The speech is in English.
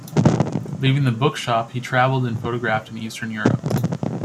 Leaving the bookshop, he traveled and photographed in Eastern Europe.